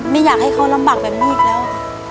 ไม่อยากให้เขาลำบากแบบนี้อีกแล้ว